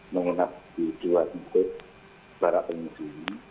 mengelak di dua titik para pengisi